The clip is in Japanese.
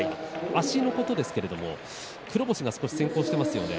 足のことですけれども黒星が少し先行してますよね。